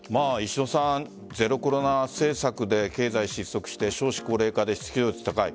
ゼロコロナ政策で経済失速して少子高齢化で失業率が高い。